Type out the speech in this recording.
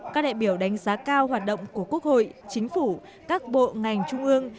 các đại biểu đánh giá cao hoạt động của quốc hội chính phủ các bộ ngành trung ương